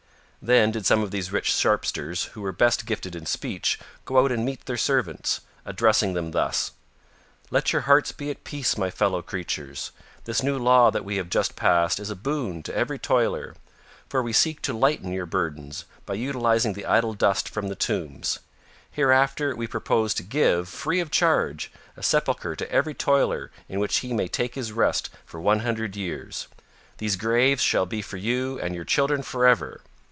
Then did some of these rich sharpsters, who were best gifted in speech, go out to meet their servants, addressing them thus: "Let your hearts be at peace, my fellow creatures. This new law that we have just passed is a boon to every toiler, for we seek to lighten your burdens by utilizing the idle dust from the tombs. Hereafter we propose to give, free of charge, a sepulcher to every toiler in which he may take his rest for one hundred years. These graves shall be for you and your children forever.